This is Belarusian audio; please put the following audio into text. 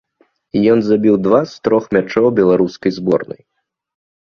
Ён забіў два з трох мячоў беларускай зборнай.